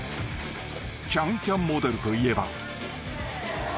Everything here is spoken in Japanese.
［『ＣａｎＣａｍ』モデルといえば］